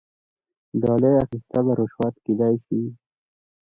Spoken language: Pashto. ډالۍ اخیستل رشوت کیدی شي